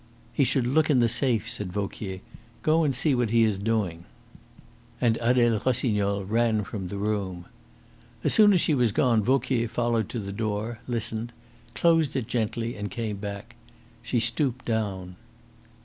"He should look in the safe," said Vauquier. "Go and see what he is doing." And Adele Rossignol ran from the room. As soon as she was gone Vauquier followed to the door, listened, closed it gently, and came back. She stooped down.